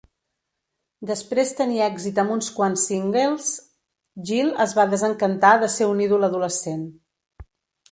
Després tenir èxit amb uns quants singles, Gil es va desencantar de ser un ídol adolescent.